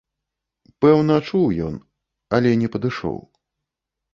Пэўна, чуў ён, але не падышоў.